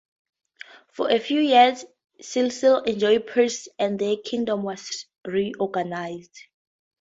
For a few years Sicily enjoyed peace, and the kingdom was reorganized.